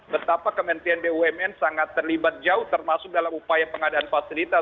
betapa kementerian bumn sangat terlibat jauh termasuk dalam upaya pengadaan fasilitas